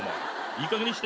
いいかげんにして。